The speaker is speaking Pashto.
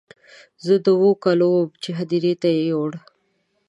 زه د اوو کالو وم چې هدیرې ته یې یووړ.